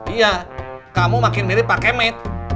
iya kamu makin mirip pak kemet